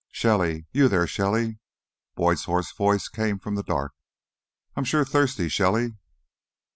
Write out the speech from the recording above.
"Shelly? You there, Shelly?" Boyd's hoarse voice came from the dark. "I'm sure thirsty, Shelly!"